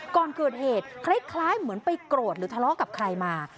ก่อนเกิดเหตุคล้ายเหมือนไปโกรธหรือทะเลาะกับใครมา